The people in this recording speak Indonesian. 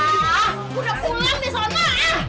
gue udah pulang nih sama